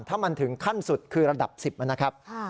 ถ้ามันถึงขั้นสุดคือระดับ๑๐นะครับ